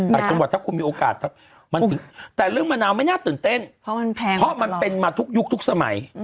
แต่ที่มีโอกาสและเรื่องมะนาวแม่งละเต้นเพราะมันเป็นมาทุกยุคทุกสมัย